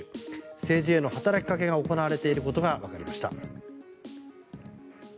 政治への働きかけが行われていることがわかりました。